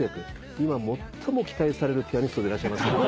今最も期待されるピアニストでいらっしゃいます。